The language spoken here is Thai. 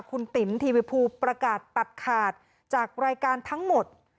คุณติ๋มทีวีภูประกาศตัดขาดจากรายการทั้งหมด